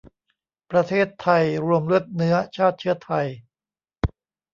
ประเทศไทย รวมเลือดเนื้อ ชาติเชื้อไทย